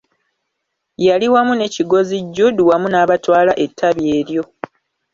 Yali wamu ne Kigozi Jude wamu n'abatwala ettabi eryo.